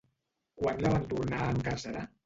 Quan la van tornar a encarcerar?